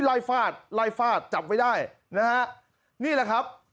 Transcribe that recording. ฟาดไล่ฟาดจับไว้ได้นะฮะนี่แหละครับ